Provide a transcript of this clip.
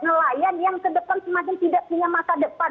nelayan yang ke depan semakin tidak punya masa depan